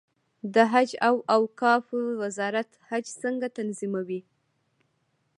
د حج او اوقافو وزارت حج څنګه تنظیموي؟